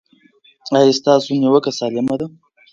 ایا ستاسو نیوکه سالمه ده؟